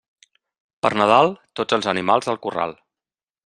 Per Nadal, tots els animals al corral.